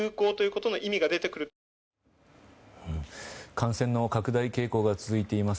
感染の拡大傾向が続いています